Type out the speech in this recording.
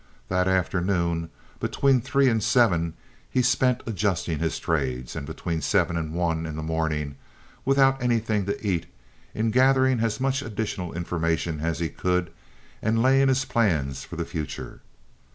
That afternoon between three and seven he spent adjusting his trades, and between seven and one in the morning, without anything to eat, in gathering as much additional information as he could and laying his plans for the future.